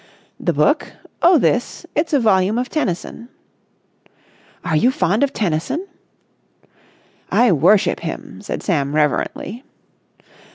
"The book? Oh, this. It's a volume of Tennyson." "Are you fond of Tennyson?" "I worship him," said Sam reverently.